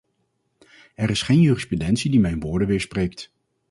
Er is geen jurisprudentie die mijn woorden weerspreekt.